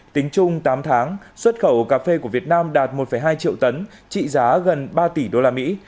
tính chung tám tháng xuất khẩu cà phê của việt nam đạt một hai triệu tấn trị giá gần ba tỷ đô la mỹ